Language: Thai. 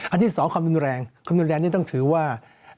ที่สองความรุนแรงความรุนแรงนี่ต้องถือว่า